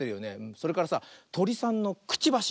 それからさトリさんのくちばし。